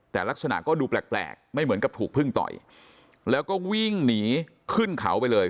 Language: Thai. แต่ลักษณะก็ดูแปลกไม่เหมือนกับถูกพึ่งต่อยแล้วก็วิ่งหนีขึ้นเขาไปเลย